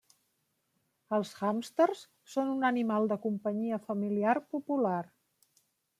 Els hàmsters són un animal de companyia familiar popular.